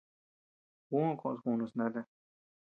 Juó koʼös kunus nata.